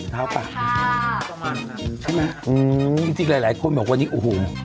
ท้าวป่ะใช่ไหมอืมจริงหลายคนบอกวันนี้โอ้โห